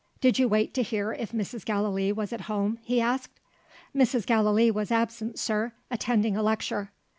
"Did you wait to hear if Mrs. Gallilee was at home?" he asked. "Mrs. Gallilee was absent, sir attending a lecture."